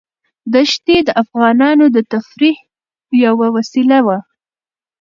دښتې د افغانانو د تفریح یوه وسیله ده.